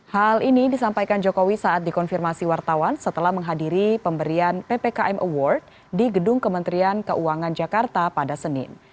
hal ini disampaikan jokowi saat dikonfirmasi wartawan setelah menghadiri pemberian ppkm award di gedung kementerian keuangan jakarta pada senin